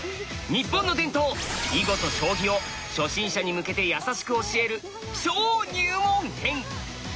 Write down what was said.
日本の伝統囲碁と将棋を初心者に向けてやさしく教える超入門編！